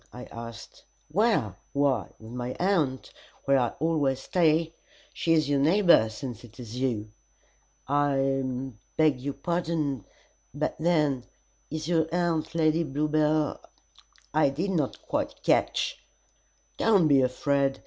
I asked "Where? Why, with my aunt, where I always stay. She is your neighbor, since it is you." "I beg your pardon but then is your aunt Lady Bluebell? I did not quite catch " "Don't be afraid.